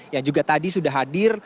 yang juga tadi sudah hadir